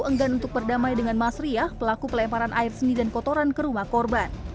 enggan untuk berdamai dengan mas riah pelaku pelemparan air seni dan kotoran ke rumah korban